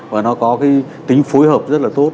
và nó có cái tính phối hợp rất là tốt